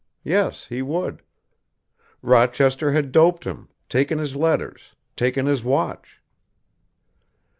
Yes, he would. Rochester had doped him, taken his letters, taken his watch.